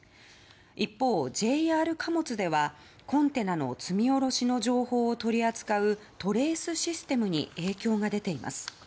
一方、ＪＲ貨物ではコンテナの積み下ろしの情報を取り扱うトレースシステムに影響が出ています。